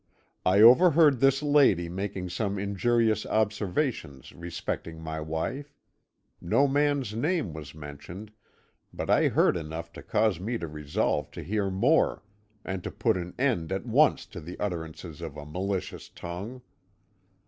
I overheard this lady making some injurious observations respecting my wife; no man's name was mentioned, but I heard enough to cause me to resolve to hear more, and to put an end at once to the utterances of a malicious tongue.